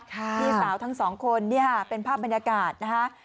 พี่สาวทั้งสองคนนี่ค่ะเป็นภาพบรรยากาศนะคะ